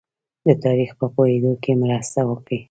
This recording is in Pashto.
د تاریخ په پوهېدو کې مرسته وکړي.